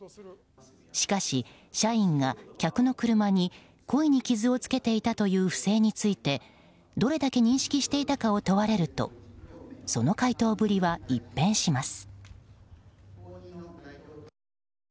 しかし、社員が客の車に故意に傷をつけていたという不正についてどれだけ認識していたかを問われるとその回答ぶりは一変します。